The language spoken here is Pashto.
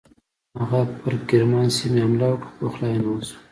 هغه پر ګرمان سیمې حمله وکړه خو پخلاینه وشوه.